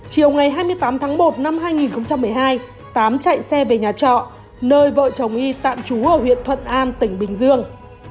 chiều ngày hai mươi tám tháng một năm hai nghìn một mươi hai tám chạy xe về nhà trọ nơi vợ chồng y tạm trú ở huyện thuận an tỉnh bình dương